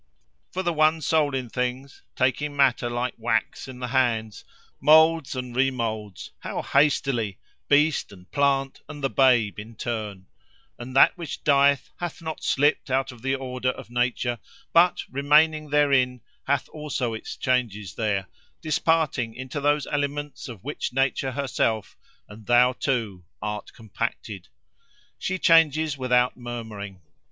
"For the one soul in things, taking matter like wax in the hands, moulds and remoulds—how hastily!—beast, and plant, and the babe, in turn: and that which dieth hath not slipped out of the order of nature, but, remaining therein, hath also its changes there, disparting into those elements of which nature herself, and thou too, art compacted. She changes without murmuring.